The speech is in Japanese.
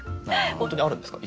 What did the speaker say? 本当にあるんですか？